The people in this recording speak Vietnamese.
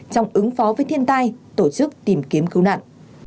trong ứng phó với thiên tai tổ chức tìm kiếm cứu nạn